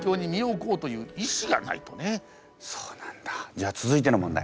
じゃあ続いての問題